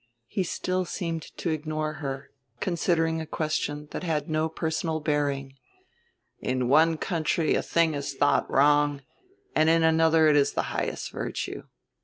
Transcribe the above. He still seemed to ignore her, considering a question that had no personal bearing. "In one country a thing is thought wrong and in another it is the highest virtue.